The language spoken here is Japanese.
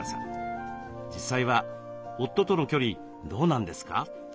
実際は夫との距離どうなんですか？